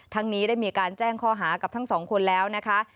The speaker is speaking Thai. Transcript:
ทั้งนี้ได้มีการแจ้งข้อหากับทั้ง๒คนแล้ว